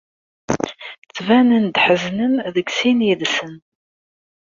Ttbanen-d ḥeznen deg sin yid-sen.